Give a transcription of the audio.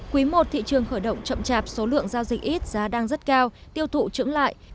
quý một thị trường khởi động chậm chạp số lượng giao dịch ít giá đang rất cao tiêu thụ trưởng lại